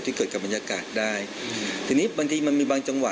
เกิดกับบรรยากาศได้ทีนี้บางทีมันมีบางจังหวะ